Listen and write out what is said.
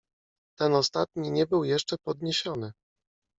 "Ten ostatni nie był jeszcze podniesiony."